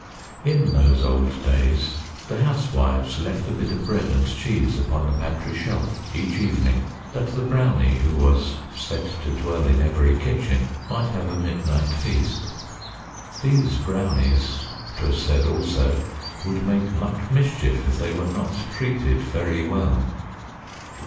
In those old days, the housewives left a bit of bread and cheese upon the pantry shelf each evening, that the brownie who was said to dwell in every kitchen might have a midnight feast. These brownies, 'twas said also, would make much mischief if they were not treated very well.